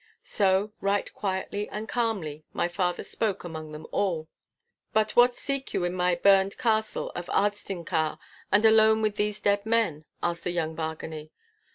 So, right quietly and calmly, my father spoke among them all. 'But what seek you in my burned Castle of Ardstinchar and alone with these dead men?' asked the young Bargany.